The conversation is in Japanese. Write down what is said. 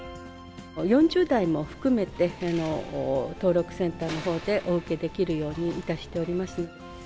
４０代も含めて、登録センターのほうでお受けできるようにいたしております。